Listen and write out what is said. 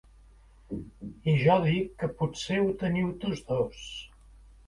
I jo dic que potser ho teniu tots dos!